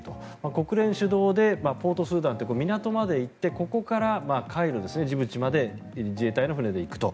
国連主導でポート・スーダンという港まで行ってここから海路でジブチまで自衛隊の船で行くと。